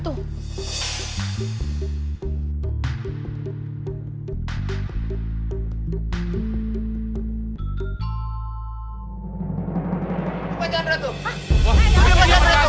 itu pak jandra tuh